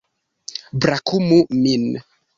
Brakumu min.